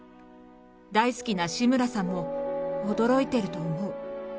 大好きな志村さんも、驚いてると思う。